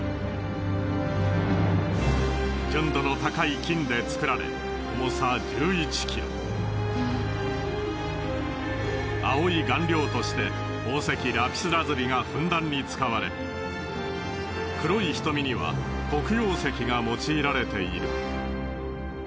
純度の高い金で作られ青い顔料として宝石ラピスラズリがふんだんに使われ黒い瞳には黒曜石が用いられている。